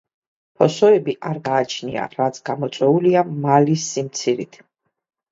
ფოსოები არ გააჩნია, რაც გამოწვეულია მალის სიმცირით.